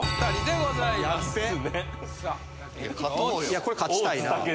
いやこれ勝ちたいな。